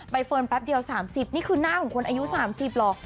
เฟิร์นแป๊บเดียว๓๐นี่คือหน้าของคนอายุ๓๐หรอก